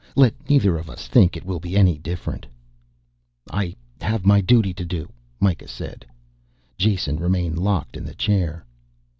Let neither of us think it will be any different." "I have my duty to do," Mikah said. Jason remained locked in the chair.